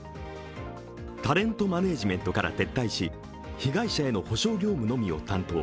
タレントマネジメントから撤退し、被害者への補償業務のみを担当。